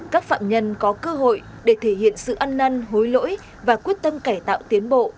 các phạm nhân có cơ hội để thể hiện sự ăn năn hối lỗi và quyết tâm cải tạo tiến bộ